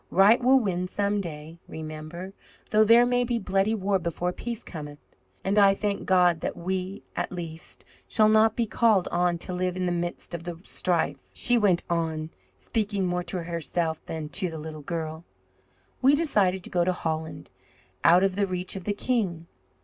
Right will win some day, Remember, though there may be bloody war before peace cometh. And I thank God that we, at least, shall not be called on to live in the midst of the strife," she went on, speaking more to herself than to the little girl. "We decided to go to Holland, out of the reach of the king.